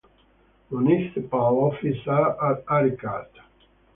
Municipal office are at Arichat.